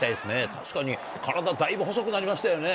確かに、体、だいぶ細くなりましたよね。